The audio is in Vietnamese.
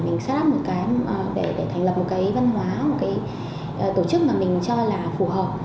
mình chart up một cái để thành lập một cái văn hóa một cái tổ chức mà mình cho là phù hợp